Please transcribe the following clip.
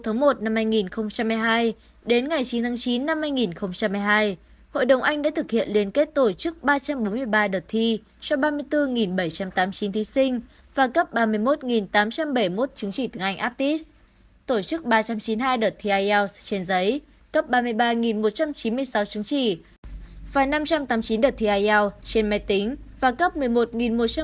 trong đó giai đoạn từ một một hai nghìn một mươi hai đến ngày chín chín hai nghìn một mươi hai hội đồng anh đã thực hiện liên kết tổ chức ba trăm bốn mươi ba đợt thi cho ba mươi bốn bảy trăm tám mươi chín thi sinh và cấp ba mươi một tám trăm bảy mươi một chứng chỉ tiếng anh aptis tổ chức ba trăm chín mươi hai đợt thi ielts trên giấy cấp ba mươi ba một trăm chín mươi sáu chứng chỉ và năm trăm tám mươi chín đợt thi ielts trên máy tính và cấp một mươi một một trăm bốn mươi chín chứng chỉ